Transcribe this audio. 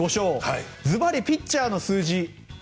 ずばりピッチャーの数字